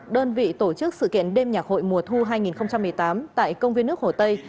đơn vị tổ chức sự kiện đêm nhạc hội mùa thu hai nghìn một mươi tám tại công viên nước hồ tây